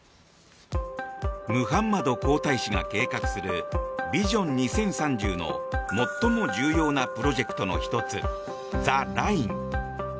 ムハンマド皇太子が計画するビジョン２０３０の最も重要なプロジェクトの１つザ・ライン。